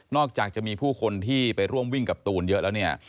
จากจะมีผู้คนที่ไปร่วมวิ่งกับตูนเยอะแล้วเนี่ย